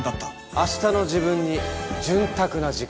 「明日の自分に潤沢な時間」。